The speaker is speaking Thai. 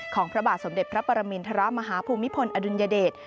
พระบาทสมเด็จพระปรมินทรมาฮภูมิพลอดุลยเดช